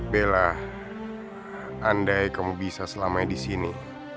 bela andai kamu bisa selamai di sini